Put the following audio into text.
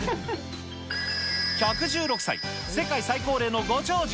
１１６歳、世界最高齢のご長寿。